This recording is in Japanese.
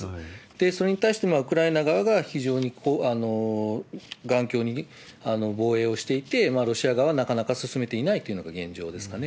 それに対して、ウクライナ側が非常に頑強に防衛をしていて、ロシア側がなかなか進めていないというのが現状ですかね。